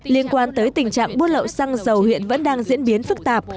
liên quan tới tình trạng buôn lậu xăng dầu hiện vẫn đang diễn biến phức tạp